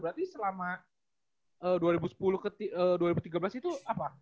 berarti selama dua ribu tiga belas itu apa